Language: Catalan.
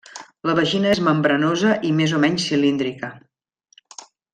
La vagina és membranosa i més o menys cilíndrica.